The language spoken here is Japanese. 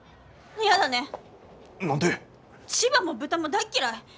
千葉も豚も大っ嫌い。